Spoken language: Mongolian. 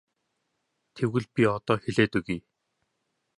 Тэгвэл би одоо хэлээд өгье.